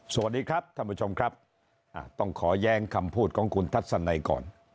สวัสดีครับท่านผู้ชมครับต้องขอแย้งคำพูดของคุณทัศนัยก่อน